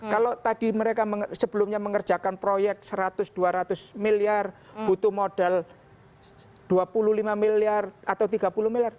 kalau tadi mereka sebelumnya mengerjakan proyek seratus dua ratus miliar butuh modal dua puluh lima miliar atau tiga puluh miliar